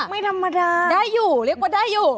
ได้อยู่รูปเรียกว่าได้อยู่